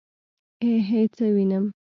ائ هئ څه وينم.